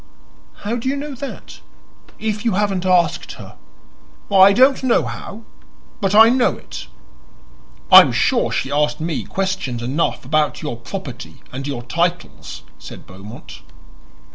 "How do you know that, if you haven't asked her?" "I don't know how; but I know it." "I am sure she asked me questions enough about your property and your titles," said Beaumont.